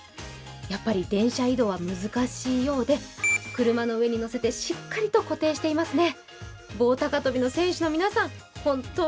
やっぱり電車移動は難しいようで車の上に載せてしっかりと固定していますね。